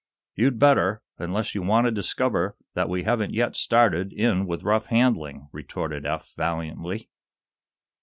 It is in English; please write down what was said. "You'd better, unless you want to discover that we haven't yet started in with rough handling," retorted Eph valiantly.